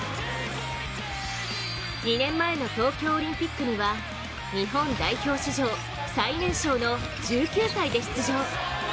２年前の東京オリンピックには、日本代表史上最年少の１９歳で出場。